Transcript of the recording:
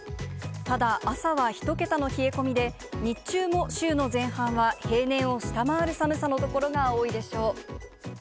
ただ、朝は１桁の冷え込みで、日中も週の前半は平年を下回る寒さの所が多いでしょう。